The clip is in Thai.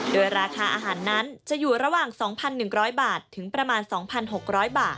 โดยราคาอาหารนั้นจะอยู่ระหว่าง๒๑๐๐บาทถึงประมาณ๒๖๐๐บาท